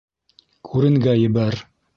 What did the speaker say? Күренгә ебәр!